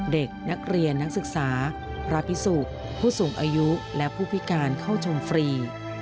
เด็กนักเรียนนักศึกษาพระพิสุผู้สูงอายุและผู้พิการเข้าชมฟรี